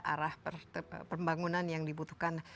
arah pembangunan yang dibutuhkan